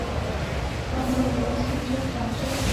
冈部元信长兄。